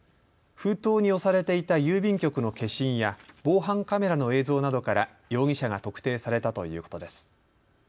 封筒に押されていた郵便局の消印や防犯カメラの映像などから容疑者が特定されたということです。